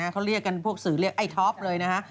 เขาเรียกกันพวกสื่อเรียกไอ้ท็อปเลยนะฮะ